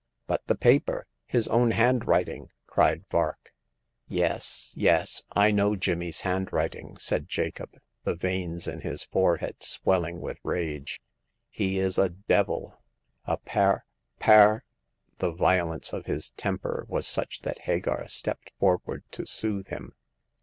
" But the paper — his own handwriting !" cried Vark. "Yes, yes ; I know Jimmy's handwriting," said Jacob, the veins in his forehead swelling The Coming of Hagar. 33 with rage. "He is a devil— a par— par !" The violence of his temper was such that Hagar stepped forward to soothe him.